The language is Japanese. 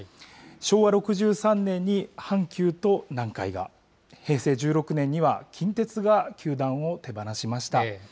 昭和６３年に阪急と南海が、平成１６年には、近鉄が球団を手放しました。